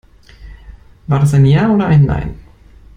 War das ein Ja oder ein Nein?